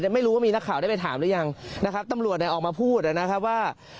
ไม่รู้ว่ามีนักข่าวได้ไปถามหรือยังนะครับตำรวจเนี่ยออกมาพูดนะครับว่า